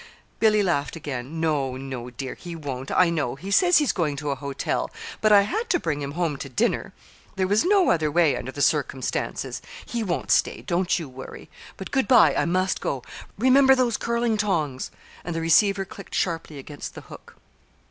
Billy laughed again. "No, no, dear; he won't, I know. He says he's going to a hotel. But I had to bring him home to dinner; there was no other way, under the circumstances. He won't stay. Don't you worry. But good by. I must go. Remember those curling tongs!" And the receiver clicked sharply against the hook.